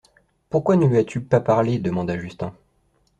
Pourquoi ne lui as-tu pas parlé ? demanda Justin.